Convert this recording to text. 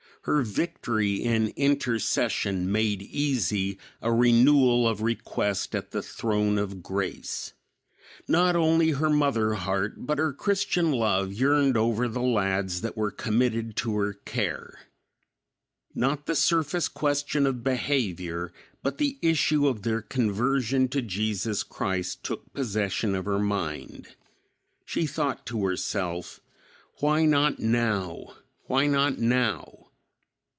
Her victory in intercession made easy a renewal of request at the throne of grace. Not only her mother heart but her Christian love yearned over the lads that were committed to her care. Not the surface question of behavior, but the issue of their conversion to Jesus Christ took possession of her mind. She thought to herself, "Why not now? Why not now?"